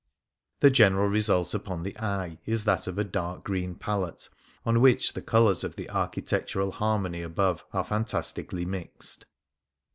The general result upon the eye is that of a dark green palette on which the colours of the architectural harmony above are fantastically mixed.